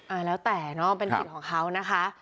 อ่าแล้วแต่เนาะเป็นสิทธิ์ของเขานะคะ